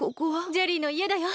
ジェリーのいえだよ。